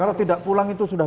karena tidak pulang itu sudah